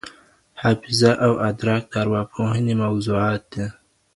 حافظه او ادراک د ارواپوهني موضوعات دي.